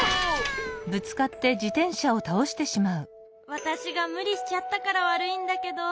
わたしがむりしちゃったからわるいんだけど。